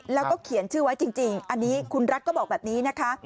แล้วก็เขียนชื่อไว้จริงอันนี้คุณรัฐก็บอกแบบนี้นะคะ